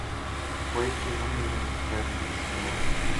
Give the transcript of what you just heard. Који ти је омиљни предмет у школи?